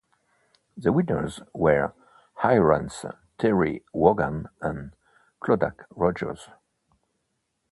The winners were Ireland's Terry Wogan and Clodagh Rodgers.